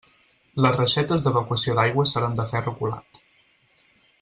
Les reixetes d'evacuació d'aigües seran de ferro colat.